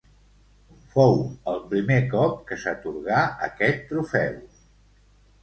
Fou el primer cop que s'atorgà aquest trofeu.